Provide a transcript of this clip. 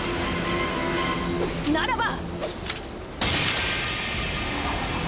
ならば！